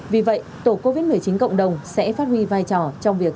vì vậy tổ covid một mươi chín cộng đồng sẽ phát huy vai trò trong việc